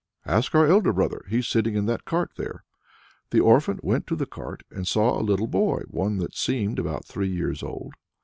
"Ask our elder brother; he's sitting in that cart there." The orphan went to the cart and saw a little boy one that seemed about three years old.